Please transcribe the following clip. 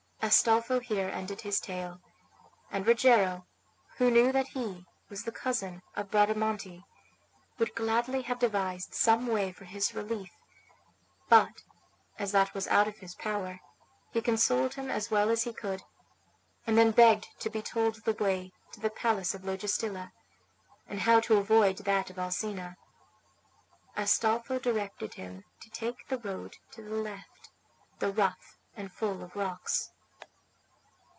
Astolpho here ended his tale, and Rogero, who knew that he was the cousin of Bradamante, would gladly have devised some way for his relief; but, as that was out of his power, he consoled him as well as he could, and then begged to be told the way to the palace of Logestilla, and how to avoid that of Alcina. Astolpho directed him to take the road to the left, though rough and full of rocks.